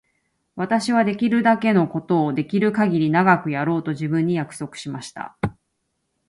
私はできるだけのことをできるかぎり長くやろうと自分に約束しました。